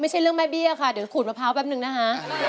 ไม่ใช่เรื่องแม่เบี้ยค่ะเดี๋ยวขูดมะพร้าวแป๊บนึงนะคะ